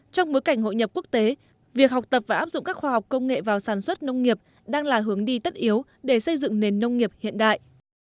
trong bối cảnh hội nhập quốc tế việc học tập và áp dụng các khoa học công nghệ vào sản xuất nông nghiệp đang là hướng đi tất yếu để xây dựng nền nông nghiệp hiện đại